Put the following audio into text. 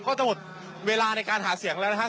ก็จะหมดเวลาในการหาเสียงแล้วนะครับ